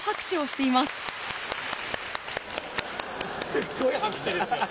すっごい拍手ですよ。